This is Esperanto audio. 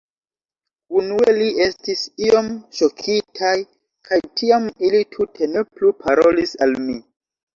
Unue ili estis iom ŝokitaj kaj tiam ili tute ne plu parolis al mi.